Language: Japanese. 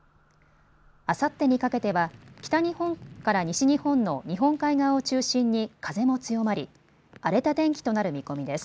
あさってにかけては北日本から西日本の日本海側を中心に風も強まり荒れた天気となる見込みです。